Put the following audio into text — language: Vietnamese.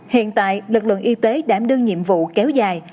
hiện tại lực lượng y tế đã đưa nhiệm vụ kéo dài